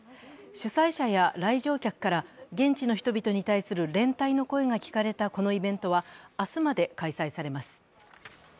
主催者や来場客から、現地の人々に対する連帯の声が聞かれたこのイベントは明日まで開催されます。